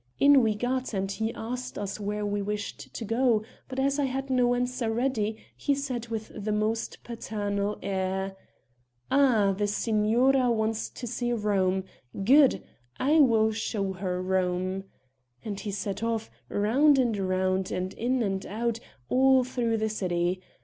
In we got and he asked us where we wished to go, but as I had no answer ready he said with the most paternal air: 'Ah! the signora wants to see Rome good, I will show her Rome!' And he set off, round and round and in and out, all through the city.